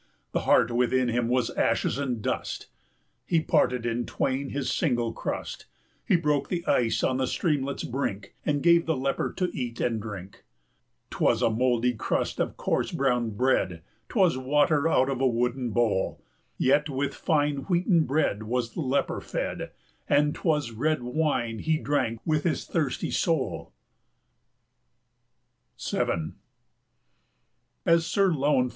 The heart within him was ashes and dust; He parted in twain his single crust, 295 He broke the ice on the streamlet's brink, And gave the leper to eat and drink: 'T was a mouldy crust of coarse brown bread, 'T was water out of a wooden bowl, Yet with fine wheaten bread was the leper fed, 300 And 't was red wine he drank with his thirsty soul. [Illustration: So he Mused, as he sat, of a sunnier clime.] VII.